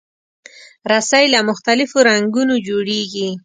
رسۍ له مختلفو رنګونو جوړېږي.